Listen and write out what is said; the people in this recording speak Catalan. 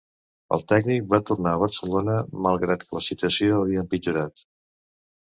El tècnic va tornar a Barcelona malgrat que la situació havia empitjorat.